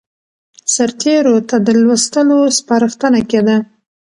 سرتېرو ته د لوستلو سپارښتنه کېده.